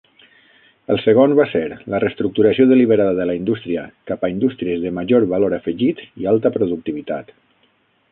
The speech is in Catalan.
El segon va ser la reestructuració deliberada de la indústria cap a indústries de major valor afegit i alta productivitat.